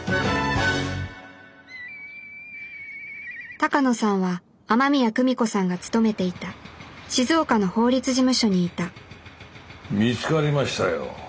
鷹野さんは雨宮久美子さんが勤めていた静岡の法律事務所にいた見つかりましたよ。